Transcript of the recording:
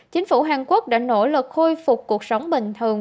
chính phủ hàn quốc đã nỗ lực khôi phục cuộc sống bình thường